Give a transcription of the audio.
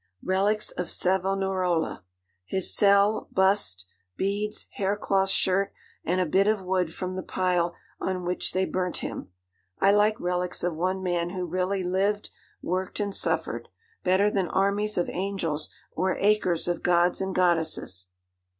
'Relics of Savonarola, his cell, bust, beads, hair cloth shirt, and a bit of wood from the pile on which they burnt him. I like relics of one man who really lived, worked, and suffered, better than armies of angels, or acres of gods and goddesses.